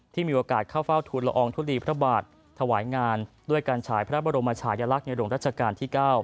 มีโอกาสเข้าเฝ้าทุนละอองทุลีพระบาทถวายงานด้วยการฉายพระบรมชายลักษณ์ในหลวงรัชกาลที่๙